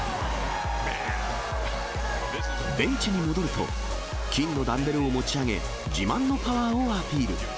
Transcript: ベンチに戻ると、金のダンベルを持ち上げ、自慢のパワーをアピール。